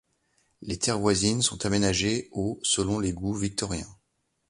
Les terres voisines sont aménagées au selon les goûts victoriens.